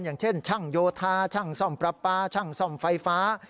อย่างเช่นช่างโยธาช่างซ่อมประปาช่างซ่อมไฟฟ้า